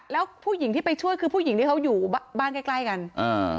แล้วผู้หญิงที่ไปช่วยคือผู้หญิงที่เขาอยู่บ้านใกล้ใกล้กันอ่า